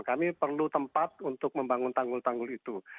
kami perlu tempat untuk membangun tanggul tanggul itu